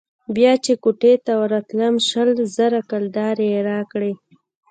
بيا چې كوټې ته راتلم شل زره كلدارې يې راکړې.